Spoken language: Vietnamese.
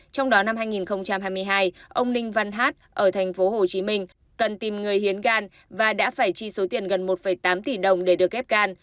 trong đó năm hai nghìn hai mươi hai ông ninh văn hát ở thành phố hồ chí minh cần tìm người hiến gan và đã phải chi số tiền gần một tám tỷ đồng để được ép gan